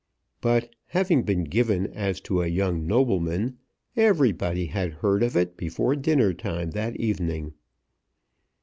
But, having been given as to a young nobleman, everybody had heard of it before dinner time that evening.